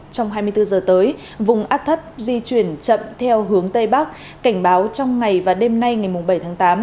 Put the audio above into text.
trong hai mươi bốn giờ tới vùng áp thấp di chuyển chậm theo hướng tây bắc cảnh báo trong ngày và đêm nay ngày bảy tháng tám